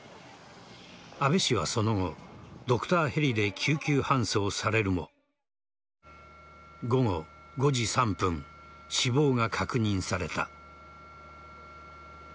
安倍氏はその後ドクターヘリで救急搬送されるも午後５時３分死亡が確認された。